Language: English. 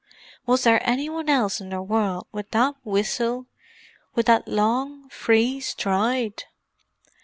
Was there any one else in the world with that whistle—with that long, free stride?